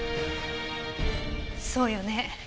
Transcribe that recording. そうよね